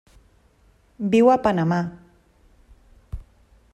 Viu a Panamà.